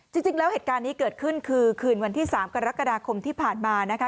จริงแล้วเหตุการณ์นี้เกิดขึ้นคือคืนวันที่๓กรกฎาคมที่ผ่านมานะคะ